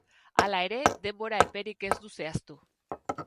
Hala ere, denbora eperik ez du zehaztu.